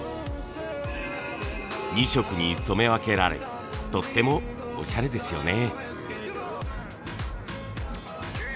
２色に染め分けられとってもおしゃれですよね。